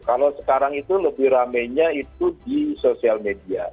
kalau sekarang itu lebih ramenya itu di sosial media